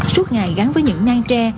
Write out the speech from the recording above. suốt ngày gắn với những ngang tre